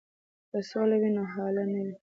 که سوله وي نو هاله نه وي.